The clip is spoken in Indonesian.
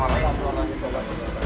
aku akan menangkapmu